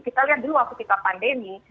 kita lihat dulu waktu kita pandemi